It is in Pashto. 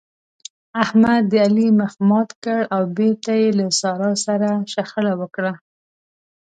احمد د علي مخ مات کړ او بېرته يې له سارا سره شخړه وکړه.